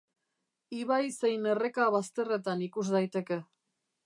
Ibai zein erreka bazterretan ikus daiteke.